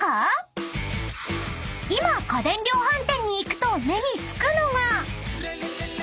［今家電量販店に行くと目に付くのが］